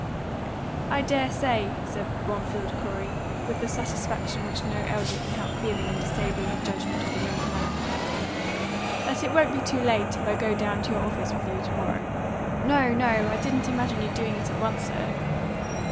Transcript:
"I dare say," said Bromfield Corey, with the satisfaction which no elder can help feeling in disabling the judgment of a younger man, "that it won't be too late if I go down to your office with you to morrow." "No, no. I didn't imagine your doing it at once, sir."